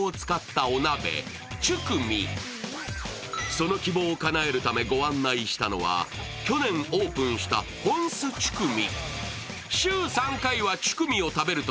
その希望をかなえるためご案内したのは、去年オープンしたホンスチュクミ。